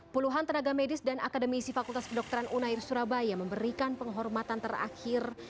puluhan tenaga medis dan akademisi fakultas kedokteran unair surabaya memberikan penghormatan terakhir